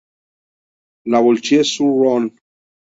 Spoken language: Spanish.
La Voulte-sur-Rhône